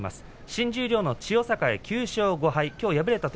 新十両、千代栄、９勝５敗。